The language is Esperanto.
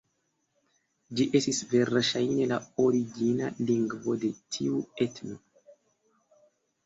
Ĝi estis verŝajne la origina lingvo de tiu etno.